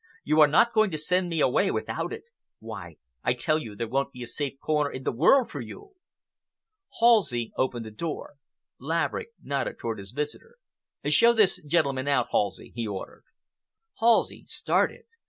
"You are not going to send me away without it? Why, I tell you that there won't be a safe corner in the world for you!" Halsey opened the door. Laverick nodded toward his visitor. "Show this gentleman out, Halsey," he ordered. Halsey started.